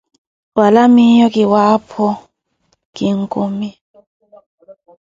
Wala, miyo ki waapho, ki nkumi.